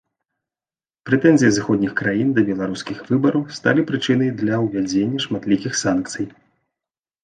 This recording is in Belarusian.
Прэтэнзіі заходніх краін да беларускіх выбараў сталі прычынай для ўвядзення шматлікіх санкцый.